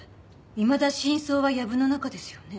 いまだ真相は藪の中ですよね？